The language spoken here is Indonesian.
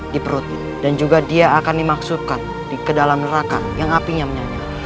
di perut dan juga dia akan dimaksudkan ke dalam neraka yang apinya menyanyi